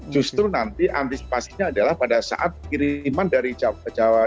justru nanti antisipasinya adalah pada saat kiriman dari jawa dari arah timur menuju ke barat